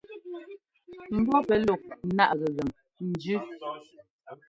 Mbɔ́ pɛ́ luk náʼ gɛgan njʉ.